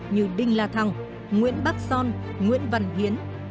như đinh la thăng nguyễn bắc son nguyễn văn hiến